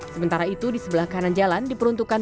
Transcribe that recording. sementara itu di sebelah kanan jalan diperuntukkan